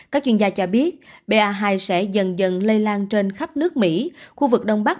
các chuyên gia cho biết ba hai sẽ dần dần lây lan trên khắp nước mỹ khu vực đông bắc